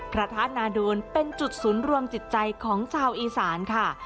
พระธาตุนาโดนเป็นจุดศูนย์รวมจิตใจของชาวอีสานค่ะ